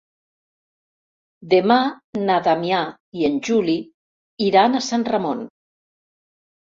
Demà na Damià i en Juli iran a Sant Ramon.